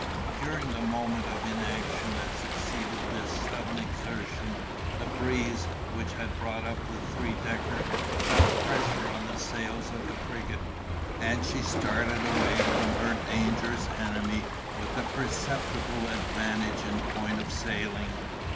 During the moment of inaction that succeeded this sudden exertion, the breeze, which had brought up the three decker, fell fresher on the sails of the frigate, and she started away from her dangerous enemy with a very perceptible advantage in point of sailing.